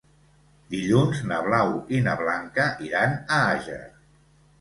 Dilluns na Blau i na Blanca iran a Àger.